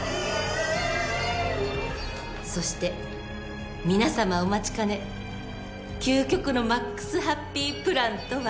そして皆様お待ちかね究極のマックスハッピープランとは。